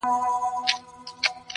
پلار ویله د قاضي کمال څرګند سو.